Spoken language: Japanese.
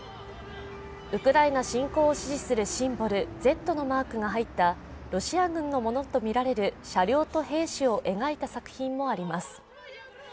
ウクライナ侵攻を支持するシンボル、「Ｚ」のマークが入ったロシア軍のものとみられる車両と兵士を描いた作品もあります。